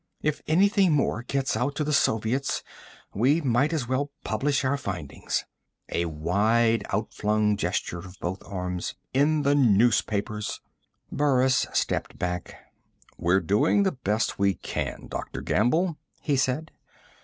"If anything more gets out to the Soviets, we might as well publish our findings" a wide, outflung gesture of both arms "in the newspapers." Burris stepped back. "We're doing the best we can, Dr. Gamble," he said.